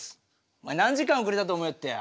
お前何時間遅れたと思いよってや。